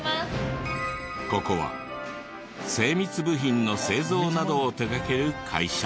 ここは精密部品の製造などを手掛ける会社。